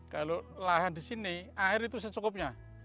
kalau lahan di sini air itu secukupnya